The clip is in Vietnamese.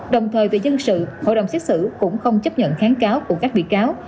đồng thời về dân sự hội đồng xét xử cũng không chấp nhận kháng cáo của các bị cáo